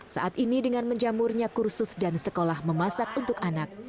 saat ini dengan menjamurnya kursus dan sekolah memasak untuk anak